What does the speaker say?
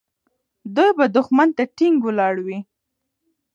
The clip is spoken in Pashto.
دوی به دښمن ته ټینګ ولاړ وي.